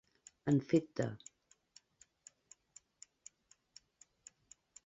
En fet de.